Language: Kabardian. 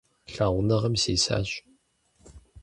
Лъагъуныгъэм сисащ…